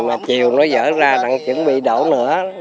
mà chiều nó dở ra đặn chuẩn bị đổ nữa